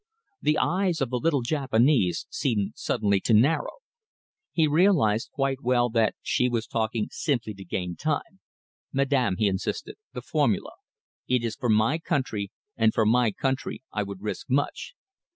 The eyes of the little Japanese seemed suddenly to narrow. He realised quite well that she was talking simply to gain time. "Madam," he insisted, "the formula. It is for my country, and for my country I would risk much."